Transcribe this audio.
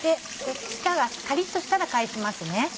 カリっとしたら返しますね。